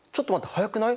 早くない？